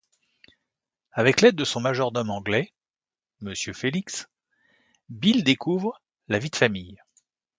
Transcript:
Avec l'aide de son majordome anglais, Monsieur Félix, Bill découvre la vie de famille.